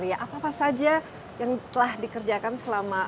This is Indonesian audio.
ya apa apa saja yang telah dikerjakan selama ini